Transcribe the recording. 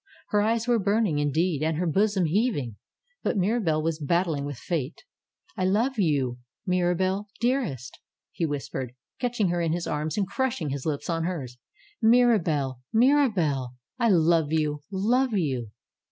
Her eyes were burning, indeed, and her bosom heaving; but Mirabelle was battling with Fate. love you ! Mirabelle ! Dearest he whispered, catching her in his arms, and crushing his lips on hers. ^'Mirabelle! Mirabelle! I love you, love you!